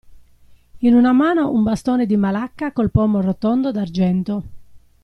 In una mano un bastone di malacca col pomo rotondo d'argento.